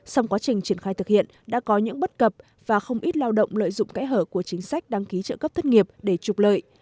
xong quá trình triển khai thực hiện đã có những bất cập và không ít lao động lợi dụng kẽ hở của chính sách đăng ký trợ cấp thất nghiệp để trục lợi